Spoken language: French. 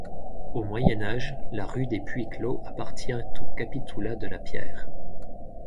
Au Moyen Âge, la rue des Puits-Clos appartient au capitoulat de la Pierre.